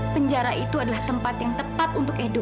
penjara itu adalah tempat yang tepat untuk edo